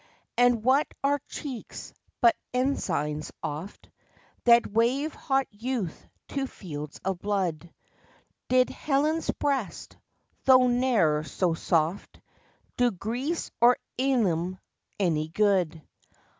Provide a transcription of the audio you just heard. And what are cheeks, but ensigns oft That wave hot youth to fields of blood? Did Helen's breast, though ne'er so soft, Do Greece or Ilium any good?